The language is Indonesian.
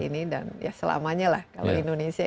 ini dan ya selamanya lah kalau indonesia